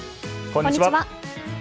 こんにちは。